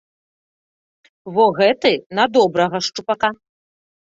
Во гэты на добрага шчупака.